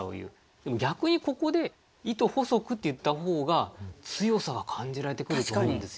でも逆にここで「糸細く」って言った方が強さは感じられてくると思うんですよ。